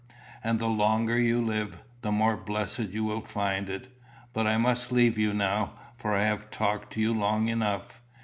And the longer you live, the more blessed you will find it. But I must leave you now, for I have talked to you long enough.